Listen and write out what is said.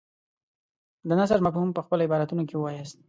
د نثر مفهوم په خپلو عباراتو کې ووایاست.